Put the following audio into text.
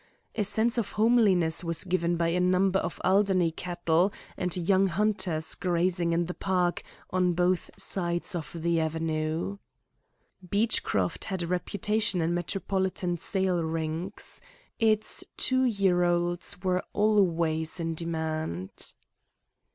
A sense of homeliness was given by a number of Alderney cattle and young hunters grazing in the park on both sides of the avenue. Beechcroft had a reputation in metropolitan sale rings. Its two year olds were always in demand.